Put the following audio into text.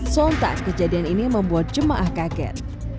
sontak kejadian ini membuat jemaah kaget